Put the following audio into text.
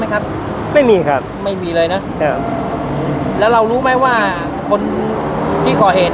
ครับไม่มีครับไม่มีเลยนะครับแล้วเรารู้ไหมว่าคนที่ก่อเหตุ